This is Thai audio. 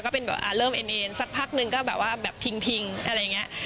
ก็เป็นแบบเริ่มเอ็นเอนสักพักนึงก็แบบว่าแบบพิงอะไรอย่างนี้